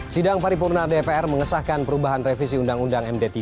sidang paripurna dpr mengesahkan perubahan revisi undang undang md tiga